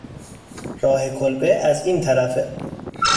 راه کلبه از این طرفه